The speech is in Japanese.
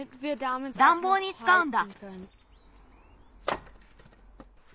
だんぼうにつかうんだ。